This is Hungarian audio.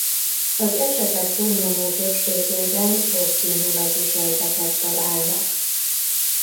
Az esetek túlnyomó többségében rosszindulatú sejteket találnak.